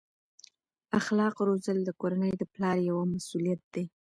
اخلاق روزل د کورنۍ د پلار یوه مسؤلیت ده.